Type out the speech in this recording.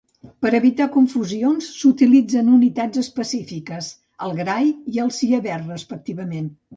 Per evitar confusions s'utilitzen unitats específiques, el gray i el sievert respectivament.